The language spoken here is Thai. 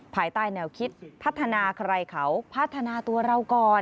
ภายใต้แนวคิดพัฒนาใครเขาพัฒนาตัวเราก่อน